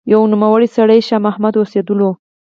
يو نوموړی سړی شاه محمد اوسېدلو